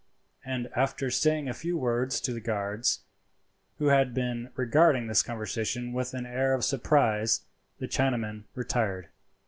And after saying a few words to the guards, who had been regarding this conversation with an air of surprise, the Chinaman retired.